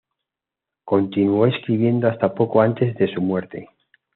Continuó escribiendo hasta poco antes de su muerte.